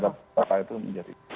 tapi berada di kota itu menjadi